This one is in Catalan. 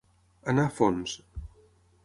Anar a fons.